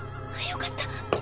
よかった。